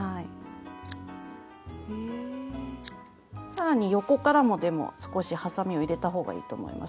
更に横からもでも少しはさみを入れたほうがいいと思います。